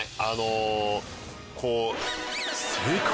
あのこう。